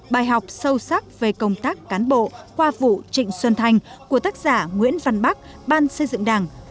bài học sâu sắc về công tác cán bộ qua vụ trịnh xuân thanh của tác giả nguyễn văn bắc ban xây dựng đảng